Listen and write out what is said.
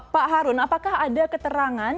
pak harun apakah ada keterangan